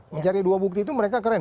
mencari dua bukti itu mereka keren